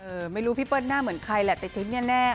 เออไม่รู้พี่เปิ้ลหน้าเหมือนใครแหละแต่เทปนี้แน่